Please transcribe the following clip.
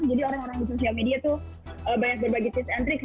jadi orang orang di sosial media itu banyak berbagi tips and tricks